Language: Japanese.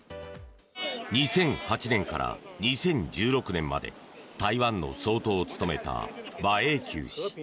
２００８年から２０１６年まで台湾の総統を務めた馬英九氏。